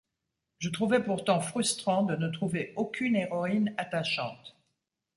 Je trouvais pourtant frustrant de ne trouver aucune héroïne attachante.